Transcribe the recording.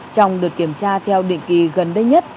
trong đợt kiểm tra theo định kỳ gần đây nhất